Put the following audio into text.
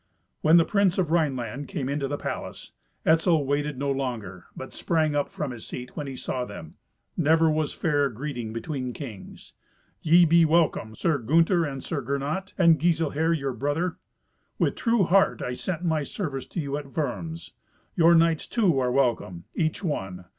When the prince of Rhineland came into the palace, Etzel waited no longer, but sprang up from his seat when he saw them. Never was fairer greeting between kings. "Ye be welcome, Sir Gunther and Sir Gernot, and Giselher your brother. With true heart I sent my service to you at Worms. Your knights, too, are welcome, each one.